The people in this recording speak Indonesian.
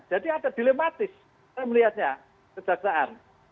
jadi agak dilematis kita melihatnya kejaksaan